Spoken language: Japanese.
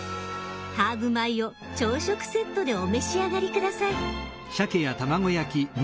ハーブ米を朝食セットでお召し上がり下さい。